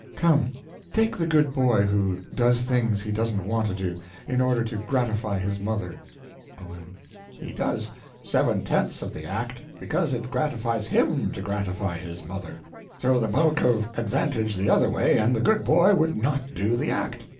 Come—take the good boy who does things he doesn't want to do, in order to gratify his mother. O.M. He does seven tenths of the act because it gratifies him to gratify his mother. Throw the bulk of advantage the other way and the good boy would not do the act.